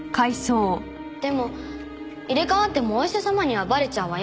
でも入れ替わってもお医者様にはバレちゃうわよ。